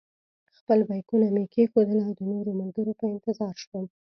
خپل بېکونه مې کېښودل او د نورو ملګرو په انتظار شوم.